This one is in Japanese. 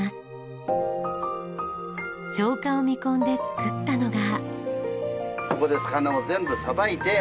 釣果を見込んで作ったのが。